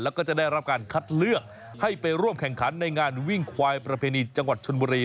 แล้วก็จะได้รับการคัดเลือกให้ไปร่วมแข่งขันในงานวิ่งควายประเพณีจังหวัดชนบุรี